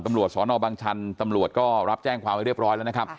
ตำรวจสนบังชันตำรวจก็รับแจ้งความไว้เรียบร้อยแล้วนะครับ